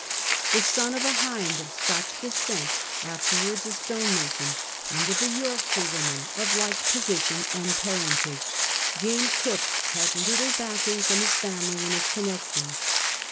The son of a hind of Scotch descent, afterwards a stone mason, and of a Yorkshire woman of like position and iJiirentage, James Cook had little backing from his family and his connections.